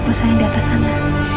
selain di atas sana